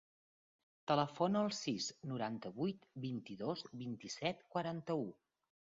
Telefona al sis, noranta-vuit, vint-i-dos, vint-i-set, quaranta-u.